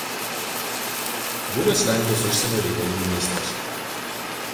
Buvęs Lenkijos Užsienio reikalų ministras.